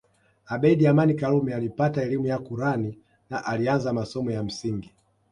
Abeid Amani Karume alipata elimu ya Kurani na alianza masomo ya msingi